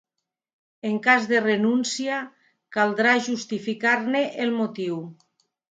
En cas de renúncia, caldrà justificar-ne el motiu.